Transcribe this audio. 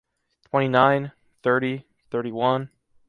Twenty nine, thirty, thirty one.